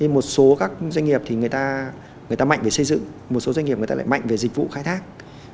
một số doanh nghiệp mạnh về xây dựng một số doanh nghiệp mạnh về dịch vụ khai thác